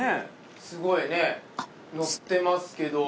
すごいねのってますけど。